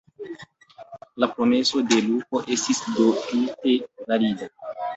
La promeso de Luko estis do tute valida.